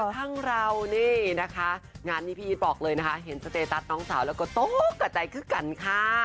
ทั้งเรานี่นะคะงานนี้พี่อีทบอกเลยนะคะเห็นสเตตัสน้องสาวแล้วก็ตกกับใจคึกกันค่ะ